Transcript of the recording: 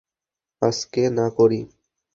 আজকে না করি।